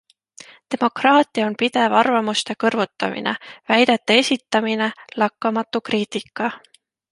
Demokraatia on pidev arvamuste kõrvutamine, väidete esitamine, lakkamatu kriitika.